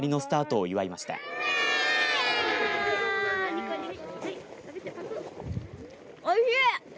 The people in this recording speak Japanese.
おいしい。